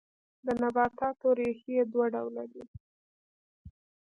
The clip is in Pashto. د نباتاتو ریښې دوه ډوله دي